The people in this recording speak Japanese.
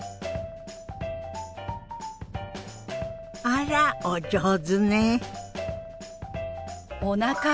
あらお上手ね。